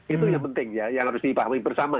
itu yang penting ya yang harus dipahami bersama